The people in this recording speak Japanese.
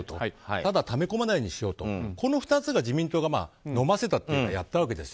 ただため込まないようにしようとこの２つが自民党がのませたというかやったわけです。